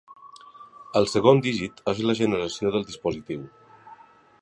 El segon dígit és la generació del dispositiu.